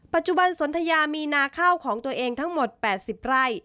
ปัจจุบันสนทยามีนาข้าวของตัวเองทั้งหมด๘๐ไร่